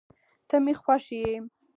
ته مي خوښ یې